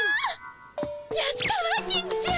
やったわ金ちゃん！